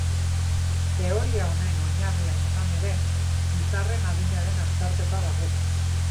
Teoria honen oinarrian izan ere, izarren adinaren azterketa dago.